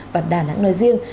và đà nẵng nói riêng